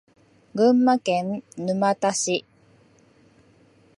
群馬県沼田市